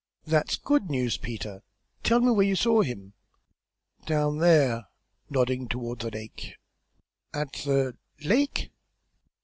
"That's good news, Peter. Tell me where you saw him." "Down there," nodding toward the lake. "At the lake?"